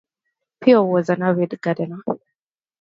Peo was an avid gardener.